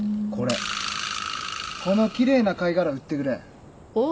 この奇麗な貝殻売ってくれ。